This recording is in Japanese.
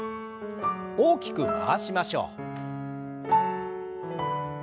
大きく回しましょう。